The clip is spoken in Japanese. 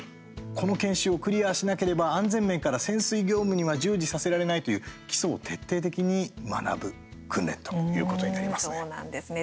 この研修をクリアしなければ安全面から潜水業務には従事させられないという基礎を徹底的に学ぶ訓練ということになりますね。